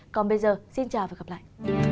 còn bây giờ xin chào và gặp lại